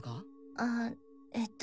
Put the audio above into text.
あぁえっと。